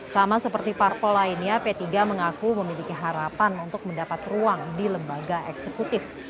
sama seperti parpol lainnya p tiga mengaku memiliki harapan untuk mendapat ruang di lembaga eksekutif